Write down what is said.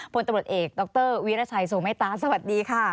พลตำรวจเอกดรวิรชัยโซเมตตาสวัสดีค่ะ